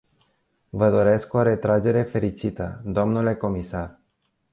Vă doresc o retragere fericită, dle comisar.